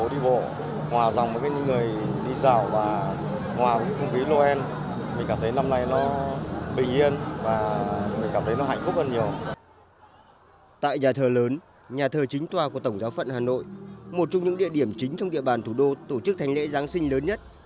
tại nhà thờ lớn nhà thờ chính tòa của tổng giáo phận hà nội một trong những địa điểm chính trong địa bàn thủ đô tổ chức thành lễ giáng sinh lớn nhất